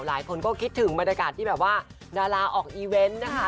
หลายคนก็คิดถึงบรรยากาศที่แบบว่าดาราออกอีเวนต์นะคะ